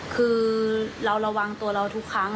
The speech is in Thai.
คือเราระวังตัวเราทุกครั้ง